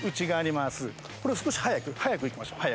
これを少し速く速くいきましょう。